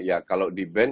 ya kalau di ban